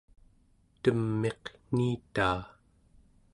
tem'iq niitaa